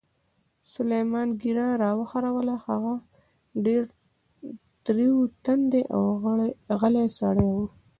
سلمان ږیره را وخروله، هغه ډېر تریو تندی او غلی سړی و.